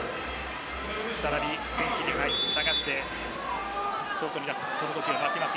再びベンチに下がってコートに立つそのときを待ちます